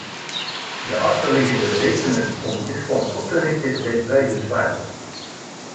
De achterliggende redenen om dit fonds op te richten zijn prijzenswaardig.